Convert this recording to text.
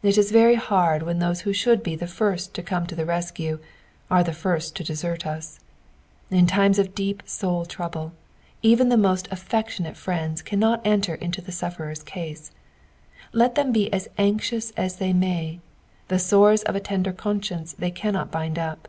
It is very hard when those who should be the first to come to the rescue, are the first to desert us. In times of deep soul trouble, even the most affectionate friends cannot enter Into the sufferer's case ; let them be as anxious as tbey may, the sores of a tender conscience they cannot bind up.